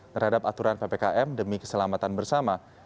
terhadap aturan ppkm demi keselamatan bersama